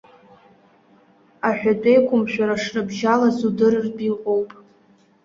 Аҳәатәеиқәымшәара шрыбжьалаз удырыртә иҟоуп.